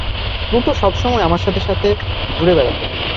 Pluto সবসময়েই আমার সাথে সাথে ঘুরে বেড়াত।